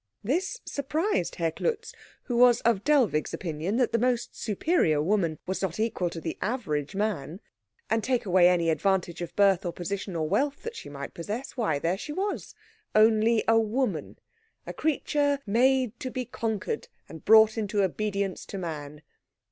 This surprised Herr Klutz, who was of Dellwig's opinion that the most superior woman was not equal to the average man; and take away any advantage of birth or position or wealth that she might possess, why, there she was, only a woman, a creature made to be conquered and brought into obedience to man.